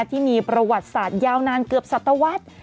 ที่มีประวัติศาสตร์ยาวนานเกือบสัตวรรษ